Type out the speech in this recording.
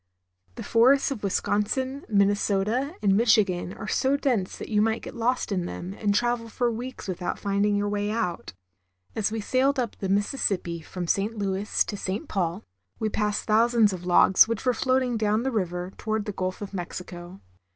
The forests of Wisconsin, Minnesota, and Michigan are so dense that you might get lost in them and travel for weeks without finding your way out. As we sailed up the Mississippi from St. Louis to St. Paul, we passed thousands of logs which were floating down the river toward the Gulf of Mexico.